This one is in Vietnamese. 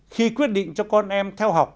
khi quyết định cho con em theo học